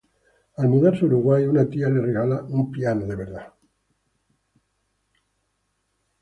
Al mudarse a Uruguay, una tía le regala un piano de verdad.